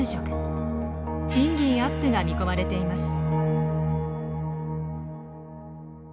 賃金アップが見込まれています。